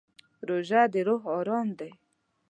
روژه د روح ارام دی.